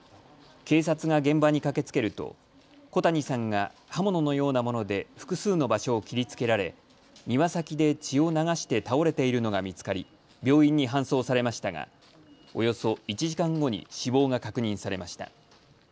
警察が現場に駆けつけると小谷さんが刃物のようなもので複数の場所を切りつけられ庭先で血を流して倒れているのが見つかり病院に搬送されましたがおよそ１時間後に死亡が確認されました。